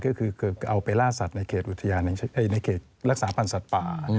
ก็คือเอาไปล่าสัตว์ในเขตรักษาพันธ์สัตว์ป่า